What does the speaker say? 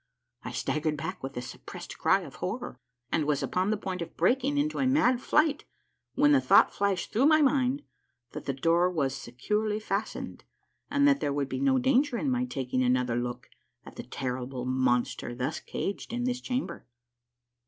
I staggered back with a suppressed cry of horror, and was upon the point of breaking into a mad flight, when the thought flashed through my mind that the door was securely fastened, and that there would be no danger in my taking another look at the terrible monster thus caged in this chamber.